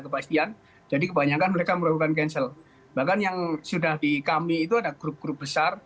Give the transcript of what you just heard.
kepastian jadi kebanyakan mereka melakukan cancel bahkan yang sudah di kami itu ada grup grup besar